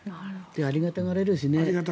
ありがたがられるしね。